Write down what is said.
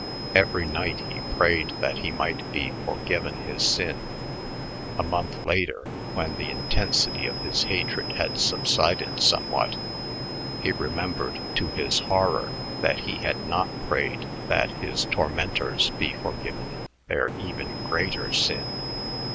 Every night he prayed that he might be forgiven his sin. A month later when the intensity of his hatred had subsided somewhat, he remembered to his horror that he had not prayed that his tormentors be forgiven their even greater sin.